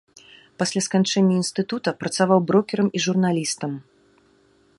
Пасля сканчэння інстытута працаваў брокерам і журналістам.